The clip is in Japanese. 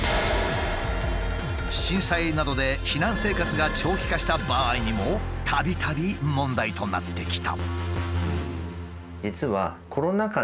震災などで避難生活が長期化した場合にもたびたび問題となってきた。